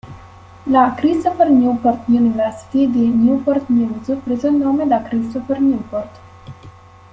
La "Christopher Newport University" di Newport News prese il nome da Christopher Newport.